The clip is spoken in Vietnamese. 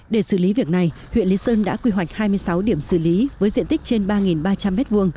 để xử lý việc này huyện lý sơn đã quy hoạch hai mươi sáu điểm xử lý với diện tích trên ba ba trăm linh m hai